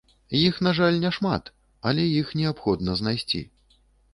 Іх, на жаль, няшмат, але іх неабходна знайсці.